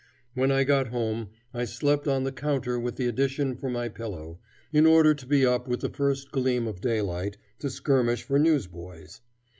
When I got home, I slept on the counter with the edition for my pillow, in order to be up with the first gleam of daylight to skirmish for newsboys.